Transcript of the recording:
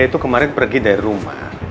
itu kemarin pergi dari rumah